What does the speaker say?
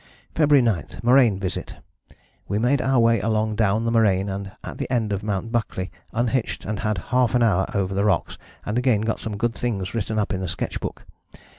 "February 9, Moraine visit. We made our way along down the moraine, and at the end of Mt. Buckley [I] unhitched and had half an hour over the rocks and again got some good things written up in sketch book.